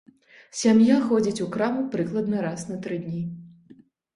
Сям'я ходзіць у краму прыкладна раз на тры дні.